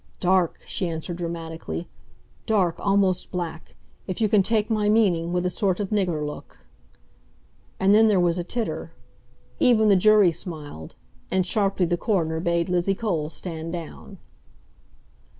"Dark!" she answered dramatically. "Dark, almost black! If you can take my meaning, with a sort of nigger look." And then there was a titter. Even the jury smiled. And sharply the coroner bade Lizzie Cole stand down.